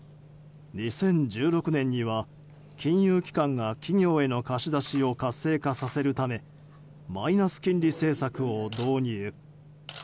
２０１６年には金融機関が企業への貸し出しを活性化させるためマイナス金利政策を導入。